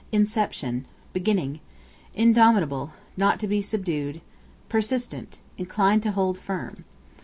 Inception, beginning. Indomitable, not to be subdued. Persistent, inclined to hold firm.